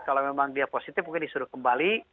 kalau memang dia positif mungkin disuruh kembali